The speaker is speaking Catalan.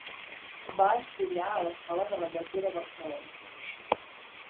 Va estudiar a l'Escola de la Llotja de Barcelona.